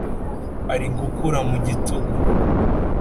Ari gukura mu gitugu